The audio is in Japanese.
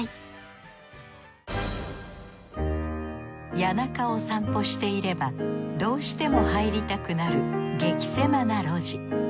谷中を散歩していればどうしても入りたくなる激狭な路地。